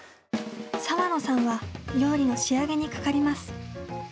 さわのさんは料理の仕上げにかかります。